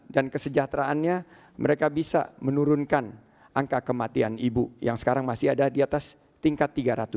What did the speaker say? dan kesejahteraannya mereka bisa menurunkan angka kematian ibu yang sekarang masih ada di atas tingkat tiga ratus